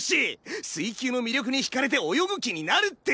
水球の魅力に引かれて泳ぐ気になるって。